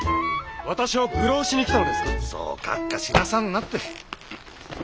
私を愚弄しに来たのですか？そうカッカしなさんなって。